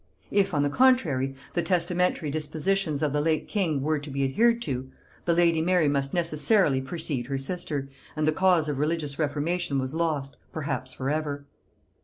If, on the contrary, the testamentary dispositions of the late king were to be adhered to, the lady Mary must necessarily precede her sister, and the cause of religious reformation was lost, perhaps for ever.